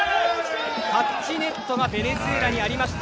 タッチネットがベネズエラにありました。